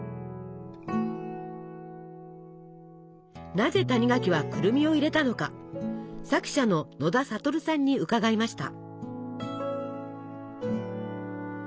なぜ谷垣はくるみを入れたのか作者の野田サトルさんに伺いました。